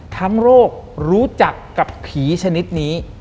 ทั้งโลกรู้จักกับผีชนิดนี้